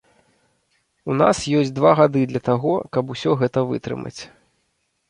У нас ёсць два гады для таго, каб усё гэта вытрымаць.